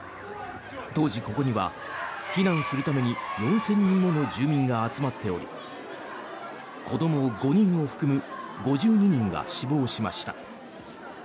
当時、ここには避難するために４０００人もの住民が集まっており子ども５人を含む５２人が死亡しました。